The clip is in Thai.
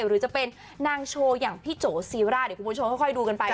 หรือจะเป็นนางโชว์อย่างพี่โจซีร่าเดี๋ยวคุณผู้ชมค่อยดูกันไป